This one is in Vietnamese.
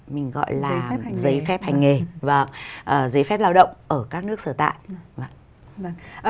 mình gọi là giấy phép hành nghề và giấy phép lao động ở các nước sở tại